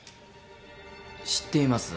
知っています。